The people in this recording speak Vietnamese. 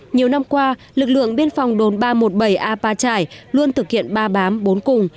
nhiều năm qua lực lượng biên phòng đồn ba trăm một mươi bảy apa trải luôn thực hiện ba bám bốn cùng